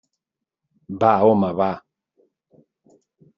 Va, home, va.